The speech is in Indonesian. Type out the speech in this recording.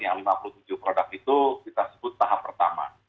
yang lima puluh tujuh produk itu kita sebut tahap pertama